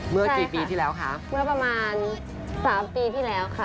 เมื่อกี่ปีที่แล้วคะเมื่อประมาณสามปีที่แล้วค่ะ